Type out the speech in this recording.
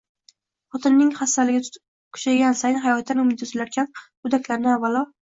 Xotinining xasgaligi kuchaygan sayin, hayotdan umidi uzilarkan, go'daklarni avvalo